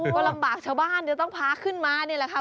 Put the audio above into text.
ก็ลำบากชาวบ้านจะต้องพาขึ้นมานี่แหละค่ะ